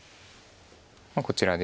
こちらで。